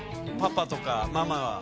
パパとかママは。